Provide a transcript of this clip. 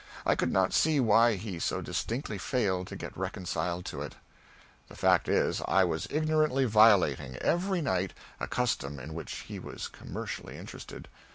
I could not see why he so distinctly failed to get reconciled to it. The fact is, I was ignorantly violating, every night, a custom in which he was commercially interested.